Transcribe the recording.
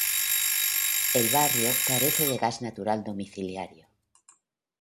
El barrio carece de gas natural domiciliario.